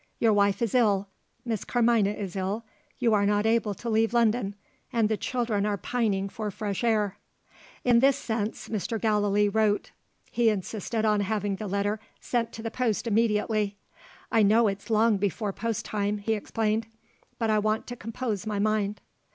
Your wife is ill; Miss Carmina is ill; you are not able to leave London and the children are pining for fresh air." In this sense, Mr. Gallilee wrote. He insisted on having the letter sent to the post immediately. "I know it's long before post time," he explained. "But I want to compose my mind."